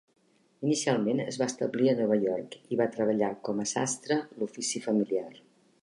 Inicialment es va establir a Nova York i va treballar com a sastre, l'ofici familiar.